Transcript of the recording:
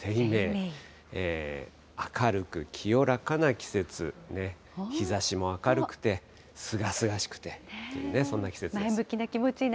明るく清らかな季節、日ざしも明るくて、すがすがしくてというね、そんな季節です。